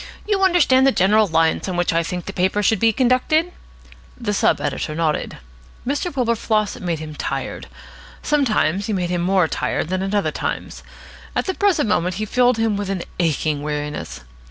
"You understand the general lines on which I think the paper should be conducted?" The sub editor nodded. Mr. Wilberfloss made him tired. Sometimes he made him more tired than at other times. At the present moment he filled him with an aching weariness.